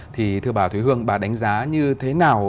thì thưa bà thúy hương bà đánh giá như thế nào